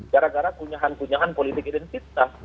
gara gara kunyahan kunyahan politik identitas